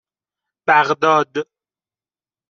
بغداد